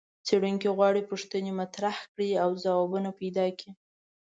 څېړونکي غواړي پوښتنې مطرحې کړي او ځوابونه پیدا کړي.